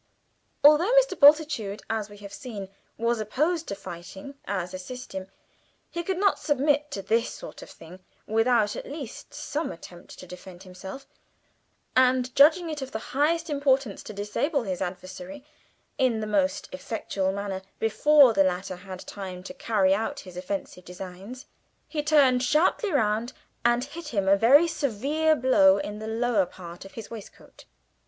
Although Mr. Bultitude, as we have seen, was opposed to fighting as a system he could not submit to this sort of thing without at least some attempt to defend himself; and judging it of the highest importance to disable his adversary in the most effectual manner before the latter had time to carry out his offensive designs, he turned sharply round and hit him a very severe blow in the lower part of his waistcoat.